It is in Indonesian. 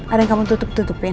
ada yang kamu tutup tutupin